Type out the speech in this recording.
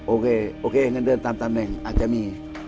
โอเคโอเคเงินเดือนตามตำแหน่งอาจจะมี